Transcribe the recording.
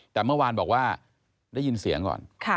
แต่เมื่อวานบอกว่าได้ยินเสียงก่อน